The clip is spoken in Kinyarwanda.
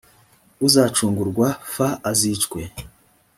uzacungurwa f azicwe